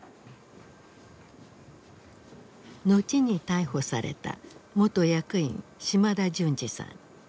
後に逮捕された元役員島田順司さん。